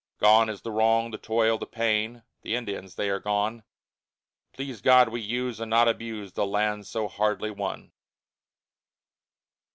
Gone is the wrong, the toil, the pain, The Indians, they are gone. Please God we use, and not abuse The land so hardly won!